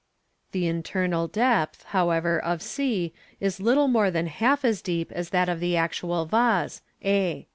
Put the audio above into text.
The internal depth, however, of c is little more than half as deep as that of the actual vase, a.